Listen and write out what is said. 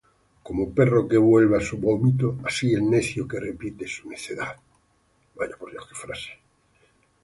Como perro que vuelve á su vómito, Así el necio que repite su necedad.